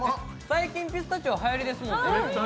最近ピスタチオ、はやりです